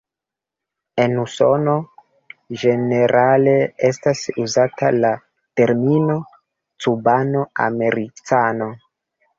En Usono, ĝenerale estas uzata la termino "Cubano-Americano.